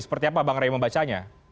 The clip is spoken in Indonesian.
seperti apa bang rerang yang membacanya